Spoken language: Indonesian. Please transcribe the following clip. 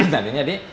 nah ini jadi